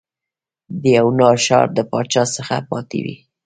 د یونا ښار د پاچا څخه پاتې وې.